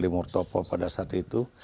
dan juga murtopo pada saat itu